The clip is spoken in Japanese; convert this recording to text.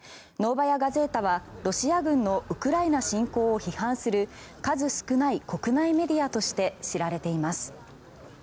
ノーバヤ・ガゼータはロシア軍のウクライナ侵攻を批判する数少ない国内メディアとして知られています。